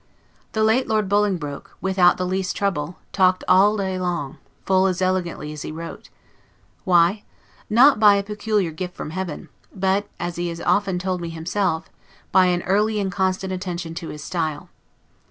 The late Lord Bolingbroke, without the least trouble, talked all day long, full as elegantly as he wrote. Why? Not by a peculiar gift from heaven; but, as he has often told me himself, by an early and constant attention to his style.